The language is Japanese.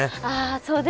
そうですね。